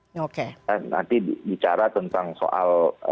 nanti bicara tentang soal